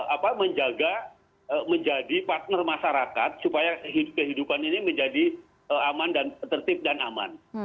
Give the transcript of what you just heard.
apa menjaga menjadi partner masyarakat supaya kehidupan ini menjadi aman dan tertib dan aman